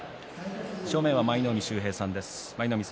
正面は舞の海秀平さんです。